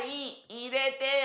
いれてよ！